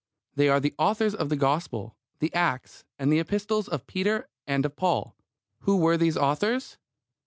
They are the authors of the Gospels, the Acts, and the Epistles of Peter and of Paul. Who were these authors?